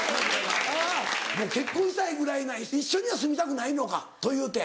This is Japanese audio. もう結婚したいぐらい一緒には住みたくはないのかというて。